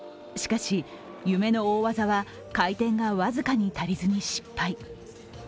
しかし、夢の大技は回転が僅かに足りずに失敗。